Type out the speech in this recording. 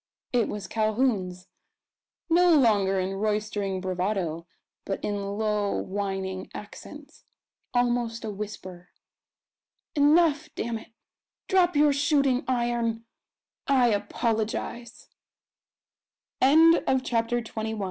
It was Calhoun's no longer in roistering bravado, but in low whining accents, almost a whisper. "Enough, damn it! Drop your shooting iron I apologise." CHAPTER TWENTY TWO. AN UNKNOWN DONOR.